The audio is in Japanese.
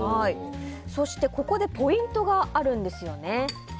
そしてここでポイントがあるんですよね。